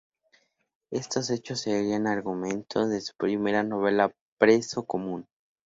Estos hechos serían el argumento de su primera novela "Preso común".